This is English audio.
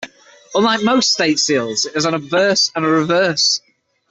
Unlike most state seals, it has an obverse and a reverse.